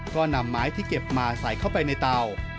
ก็นำไม้ที่เก็บมาใส่เข้าไปในเตา